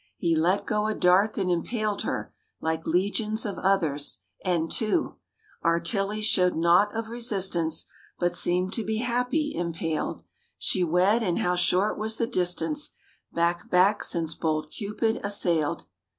He let go a dart that impaled her Like legions of others. And, too. Our Tillie showed naught of resistance But seemed to be happy—impaled. She wed, and how short was the distance Back, back since bold Cupid assailed.